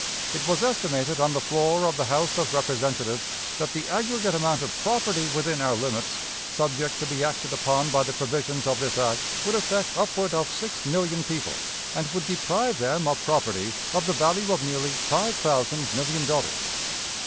It was estimated on the floor of the House of Representatives that the aggregate amount of property within our limits subject to be acted upon by the provisions of this act would affect upward of six million people, and would deprive them of property of the value of nearly five thousand million dollars.